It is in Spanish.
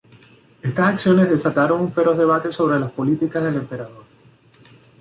Estas acciones desataron un feroz debate sobre las políticas del Emperador.